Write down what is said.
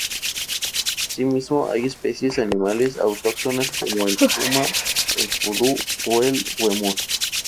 Asimismo, hay especies animales autóctonas como el puma, el pudú o el huemul.